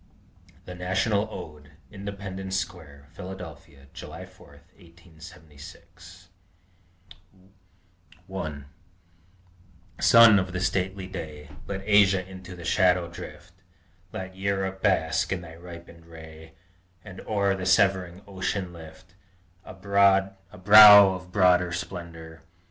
THE NATIONAL ODE INDEPENDENCE SQUARE, PHILADELPHIA, JULY 4, 1876 I 1 Sun of the stately Day, Let Asia into the shadow drift, Let Europe bask in thy ripened ray, And over the severing ocean lift A brow of broader splendor!